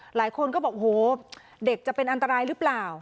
หลายคนก็บอกหัวนั้นเป็นอันตรายหรือเปล่า